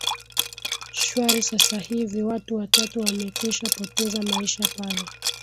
shwari sasa hivi watu watatu wamekwishapoteza maisha pale